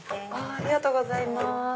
ありがとうございます。